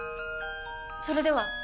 それでは！